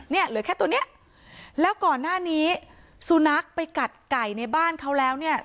เหลือแค่ตัวเนี้ยแล้วก่อนหน้านี้สุนัขไปกัดไก่ในบ้านเขาแล้วเนี่ย